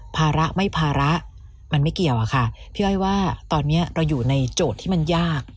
ภาระไม่ภาระมันไม่เกี่ยวอะค่ะพี่อ้อยว่าตอนนี้เราอยู่ในโจทย์ที่มันยาก